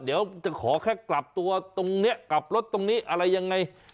เดี๋ยวจะขอแค่กลับตัวตรงนี้กลับรถตรงนี้อะไรยังไง